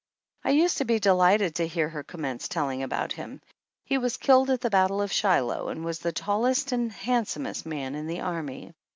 I used to be delighted to hear her commence telling about him. He was killed at the battle of Shiloh and was the tallest and handsomest man in the army.